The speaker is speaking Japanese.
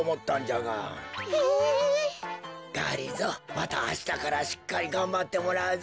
またあしたからしっかりがんばってもらうぞ。